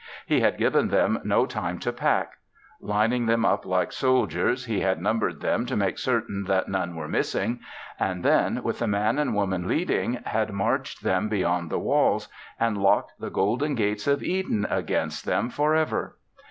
He had given them no time to pack. Lining them up like soldiers, He had numbered them to make certain that none were missing and then, with the Man and Woman leading, had marched them beyond the walls and locked the golden gates of Eden against them forever.